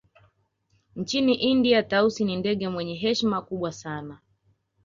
Nchini India Tausi ni ndege mwenye heshima kubwa sana